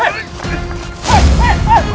siap pak tadew